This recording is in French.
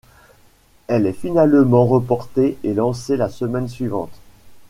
Elle est finalement reportée et lancée la semaine suivante.